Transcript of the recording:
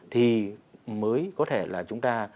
thì mới có thể là chúng ta